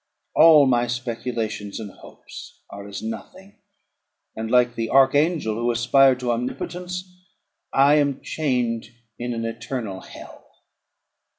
All my speculations and hopes are as nothing; and, like the archangel who aspired to omnipotence, I am chained in an eternal hell.